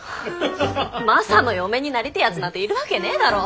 マサの嫁になりてえやつなんているわけねえだろ。